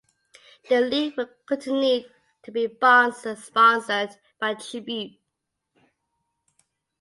The league would continued to be sponsored by Tribute.